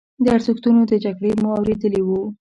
د ارزښتونو د جګړې مو اورېدلي وو.